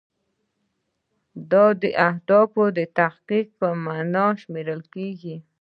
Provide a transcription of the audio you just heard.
دا د اهدافو د تحقق په معنا شمیرل کیږي.